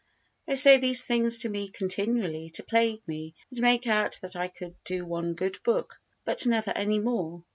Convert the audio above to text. They say these things to me continually to plague me and make out that I could do one good book but never any more.